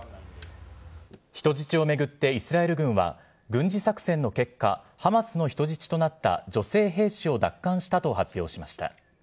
人質を巡ってイスラエル軍は、軍事作戦の結果、ハマスの人質となった女性兵士を奪還したと発表しました。